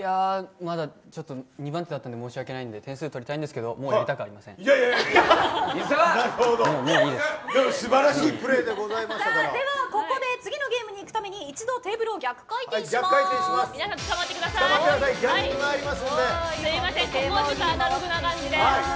まだちょっと２番手だったので申し訳ないので点数は取りたいんですけどでも素晴らしいではここで次のゲームに行くためにテーブルを逆回転します。